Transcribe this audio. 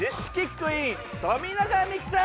クイーン富永美樹さん！